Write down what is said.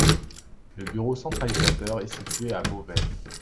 Le bureau centralisateur est situé à Beauvais.